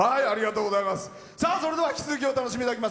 それでは引き続きお楽しみいただきます。